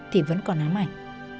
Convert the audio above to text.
thì vẫn còn ám ảnh